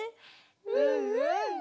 うんうん！